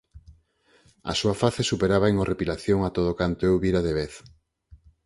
A súa face superaba en horripilación a todo canto eu vira de vez.